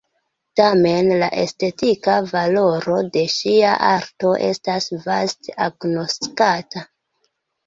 Tamen la estetika valoro de ŝia arto estas vaste agnoskata.